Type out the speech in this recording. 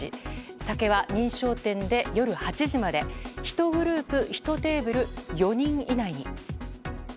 酒は認証店で夜８時まで１グループ１テーブル４人以内に。